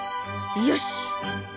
よし！